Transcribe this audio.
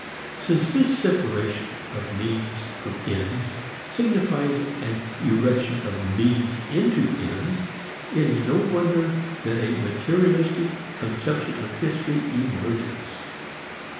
Since this separation of means from ends signifies an erection of means into ends, it is no wonder that a "materialistic conception of history" emerges.